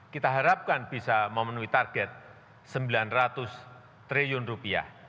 kita harapkan bisa memenuhi target rp sembilan ratus triliun